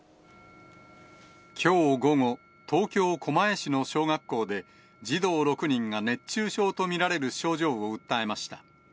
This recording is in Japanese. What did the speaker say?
きょう午後、東京・狛江市の小学校で、児童６人が熱中症と見られる症状を訴えました。